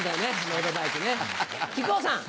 木久扇さん。